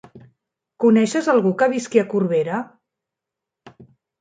Coneixes algú que visqui a Corbera?